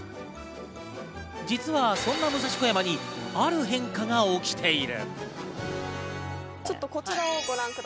実はそんな武蔵小山にある変化が起きている。